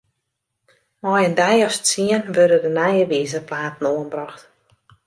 Mei in deis as tsien wurde de nije wizerplaten oanbrocht.